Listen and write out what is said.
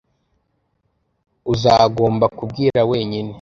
Uzagomba kubwira wenyine.